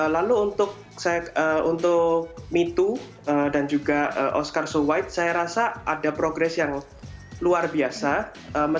lalu untuk saya untuk me to dan saya juga ingin mencari penulisan film ini karena saya rasa ini adalah